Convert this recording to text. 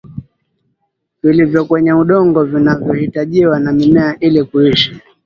vilivyo kwenye udongo vinavyohitajiwa na mimea ili kuishi